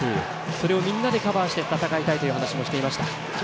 それを、みんなでカバーして戦いたいという話をしていました。